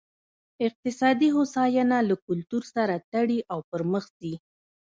اقتصادي هوساینه له کلتور سره تړي او پرمخ ځي.